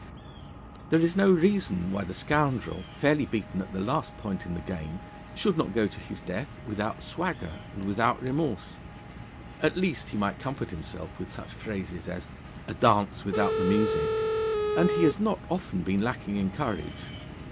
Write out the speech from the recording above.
There is no reason why the Scoundrel, fairly beaten at the last point in the game, should not go to his death without swagger and without remorse. At least he might comfort himself with such phrases as 'a dance without the music,' and he has not often been lacking in courage.